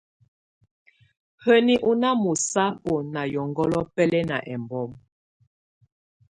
Həní ɔná mɔsábɔ na yɔngɔlɔ bɛ́lɛ́na ɛ́mbɔm.